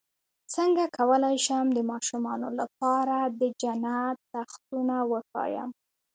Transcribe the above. څنګه کولی شم د ماشومانو لپاره د جنت تختونه وښایم